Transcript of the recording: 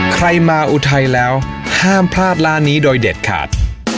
ใครมาอุทัยแล้วห้ามพลาดร้านนี้โดยเด็ดขาด